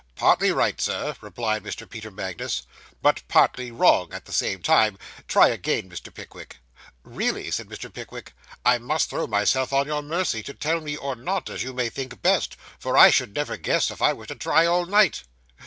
'Partly right, Sir,' replied Mr. Peter Magnus, 'but partly wrong at the same time; try again, Mr. Pickwick.' 'Really,' said Mr. Pickwick, 'I must throw myself on your mercy, to tell me or not, as you may think best; for I should never guess, if I were to try all night.